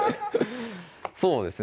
そうですね